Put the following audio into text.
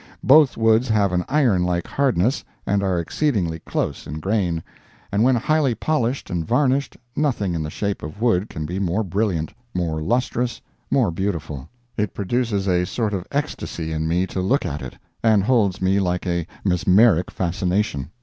Both woods have an iron like hardness, and are exceedingly close in grain, and when highly polished and varnished nothing in the shape of wood can be more brilliant, more lustrous, more beautiful. It produces a sort of ecstasy in me to look at it, and holds me like a mesmeric fascination.